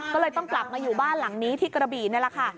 ก็เลยต้องกลับมาอยู่บ้านหลังนี้ที่กระบี่นี่แหละค่ะ